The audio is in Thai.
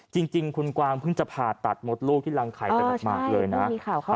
จริงคุณกวาร์งพึ่งจะผ่าตัดหมดลูกที่รังใครมาก